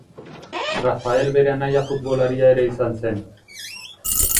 Rafael bere anaia futbolaria ere izan zen.